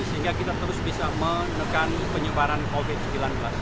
sehingga kita terus bisa menekan penyebaran covid sembilan belas